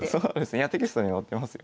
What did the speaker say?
いやテキストに載ってますよ。